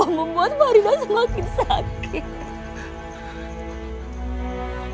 bopo membuat farida semakin sakit